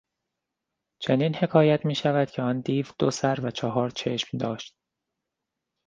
چنین حکایت میشود آن دیو دو سر و چهار چشم داشت.